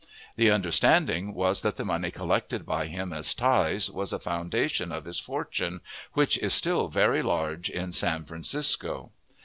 The understanding was, that the money collected by him as tithes was the foundation of his fortune, which is still very large in San Francisco.